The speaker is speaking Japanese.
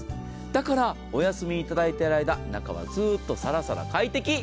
だからお休みいただいている間、中はずっとサラサラ快適。